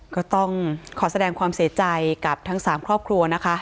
ก็ต้องขอแสดงความเสียใจกับทั้ง๓ครอบครัวนะคะ